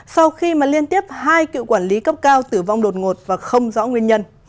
sau khi liên tiếp hai cựu quản lý cấp cao tử vong đột ngột và không rõ nguyên nhân